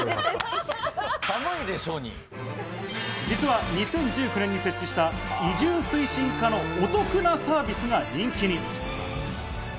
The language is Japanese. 実は２０１９年に設置した、移住推進課のお得なサービスが人気に。